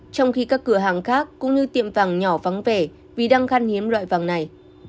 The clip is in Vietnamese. trong khi các cửa hàng khác cũng như tiệm vàng nhỏ vắng vẻ vì đang khăn hiếm loại vàng này